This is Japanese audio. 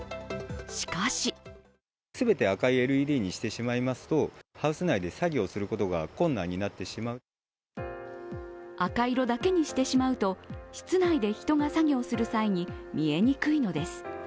しかし赤色だけにしてしまうと室内で人が作業する際に見えにくいのです。